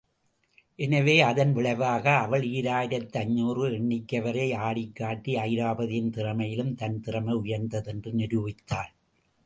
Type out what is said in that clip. எனவே அதன் விளைவாக அவள் ஈராயிரத்தைந்நூறு எண்ணிக்கைவரை ஆடிக்காட்டி, அயிராபதியின் திறமையிலும் தன் திறமை உயர்ந்த தென்று நிரூபித்தாள்.